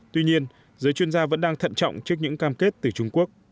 tuy nhiên giới chuyên gia vẫn đang thận trọng trước những cam kết từ trung quốc